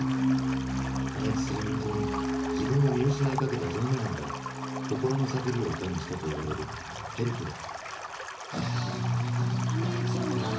過熱する人気に自分を見失いかけたジョン・レノンが心の叫びを歌にしたといわれる「ヘルプ！」だ。